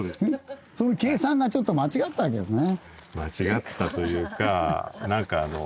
その計算がちょっと間違ったわけですね。